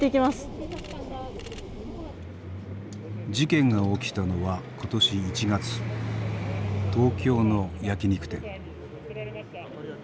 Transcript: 事件が起きたのは今年１月東京の焼き肉店。